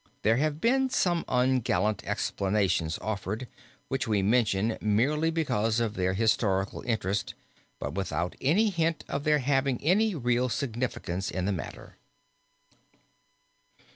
There have been some ungallant explanations offered, which we mention merely because of their historical interest but without any hint of their having any real significance in the matter.